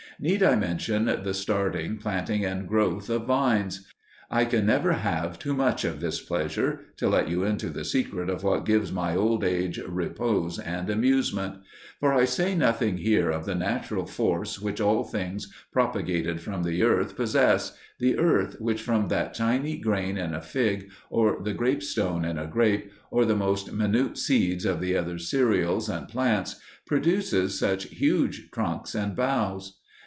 Need I mention the starting, planting, and growth of vines? I can never have too much of this pleasure to let you into the secret of what gives my old age repose and amusement. For I say nothing here of the natural force which all things propagated from the earth possess the earth which from that tiny grain in a fig, or the grape stone in a grape, or the most minute seeds of the other cereals and plants, produces such huge trunks and boughs.